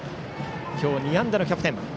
今日２安打のキャプテン。